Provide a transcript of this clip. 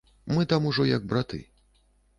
Мы там ужо як браты.